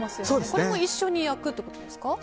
これも一緒に焼くということですか？